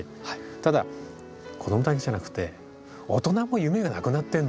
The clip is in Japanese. ただ子供だけじゃなくて大人も夢がなくなってんの。